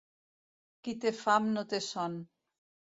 Qui té fam no té son.